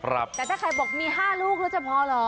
แต่ถ้าใครบอก๕ลูกจะพอหรอ